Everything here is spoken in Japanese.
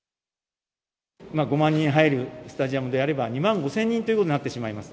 ５万人入るスタジアムであれば、２万５０００人ということになってしまいます。